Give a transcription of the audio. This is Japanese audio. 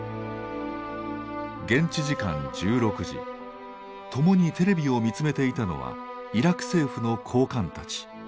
現地時間１６時共にテレビを見つめていたのはイラク政府の高官たち。